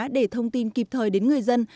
để thông tin kịp thời đến người dân